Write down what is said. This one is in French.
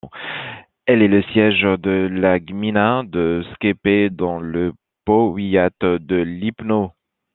Elle est le siège de la gmina de Skępe, dans le powiat de Lipno.